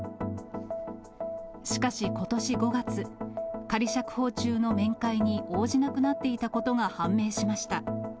しかしことし５月、仮釈放中の面会に応じなくなっていたことが判明しました。